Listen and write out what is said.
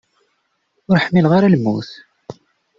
Ur ḥmmileɣ ara lmut.